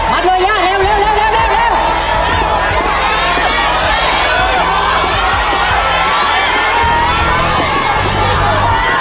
มาเถอะย่าเร็ว